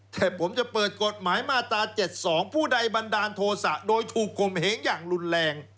แต่ผมจะเปิดกฎหมายมาตรา๗๒ผู้ใดบันดาลโทษะโดยถูกข่มเหงอย่างรุนแรง